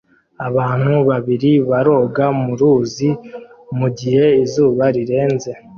Abantu babiri baroga mu ruzi mugihe izuba rirenze